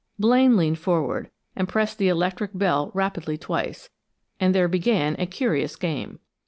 Blaine leaned forward, and pressed the electric bell rapidly twice, and there began a curious game.